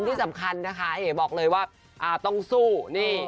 ที่สำคัญนะคะเอ๋บอกเลยว่าต้องสู้นี่